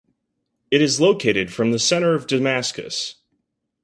It is located from the center of Damascus.